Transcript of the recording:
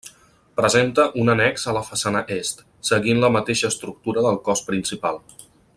Presenta un annex a la façana est, seguint la mateixa estructura del cos principal.